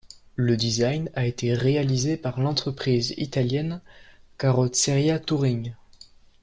Le design a été réalisé par l’entreprise italienne Carrozzeria Touring.